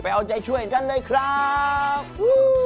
ไปเอาใจช่วยกันเลยครับ